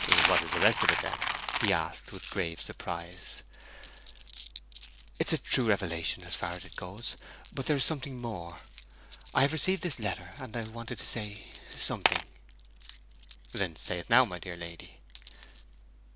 'What is the rest of it, then?' he asked, with grave surprise. 'It is a true revelation, as far as it goes; but there is something more. I have received this letter, and I wanted to say something.' 'Then say it now, my dear lady.'